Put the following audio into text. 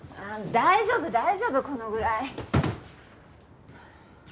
ああ大丈夫大丈夫このぐらい。